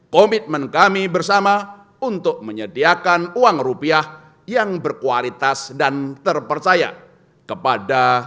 komitmen kami bersama untuk menyediakan uang rupiah yang berkualitas dan terpercaya kepada